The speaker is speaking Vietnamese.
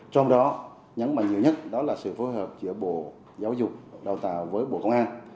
trong đó nhấn mạnh nhiều nhất đó là sự phối hợp giữa bộ giáo dục đào tạo với bộ công an